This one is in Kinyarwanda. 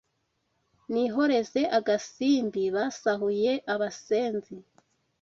Nihoreze agasimbi Basahuye abasenzi